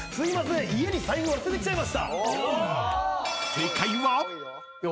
［正解は？］